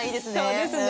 そうですね。